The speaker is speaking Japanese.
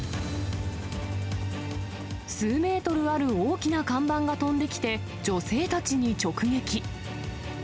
数メートルある大きな看板が飛んできて、女性たちに直撃。